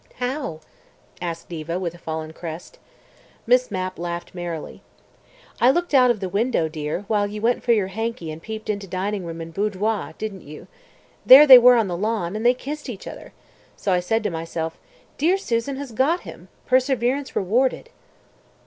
"How?" asked Diva with a fallen crest. Miss Mapp laughed merrily. "I looked out of the window, dear, while you went for your hanky and peeped into dining room and boudoir, didn't you? There they were on the lawn, and they kissed each other. So I said to myself: 'Dear Susan has got him! Perseverance rewarded!'"